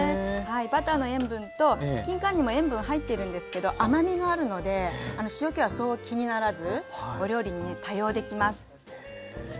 バターの塩分ときんかんにも塩分入ってるんですけど甘みがあるので塩けはそう気にならずお料理にね多用できます。